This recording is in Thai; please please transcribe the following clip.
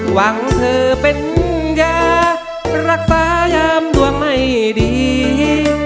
หวังเธอเป็นยารักษายามดวงไม่ดี